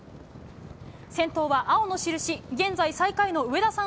先頭は青の印、現在最下位の上田さん